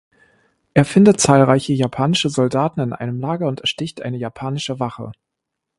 Er findet zahlreiche japanische Soldaten in einem Lager und ersticht eine japanische Wache.